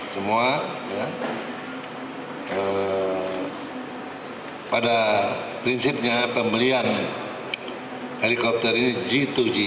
semua pada prinsipnya pembelian helikopter ini g dua g